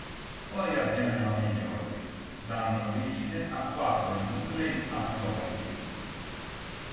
Poi avviene la meiosi, danno origine a quattro nuclei aploidi.